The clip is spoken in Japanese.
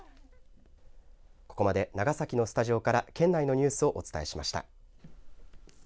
ここまで長崎のスタジオから県内のニュースをお伝えしました。